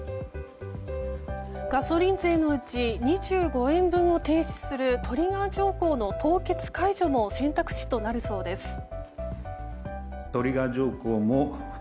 ガソリン税のうち２５円分を停止するトリガー条項の凍結解除も選択肢となるそうです。